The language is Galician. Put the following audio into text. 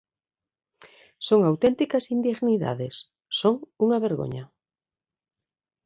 Son auténticas indignidades, son unha vergoña.